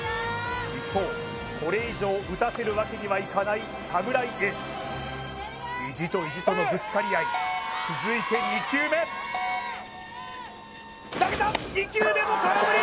一方これ以上打たせるわけにはいかないサムライエース意地と意地とのぶつかり合い続いて２球目投げた２球目も空振り！